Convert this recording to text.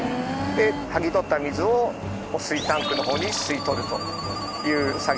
剥ぎ取った水を汚水タンクの方に吸い取るという作業です。